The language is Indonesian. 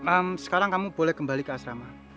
am sekarang kamu boleh kembali ke asrama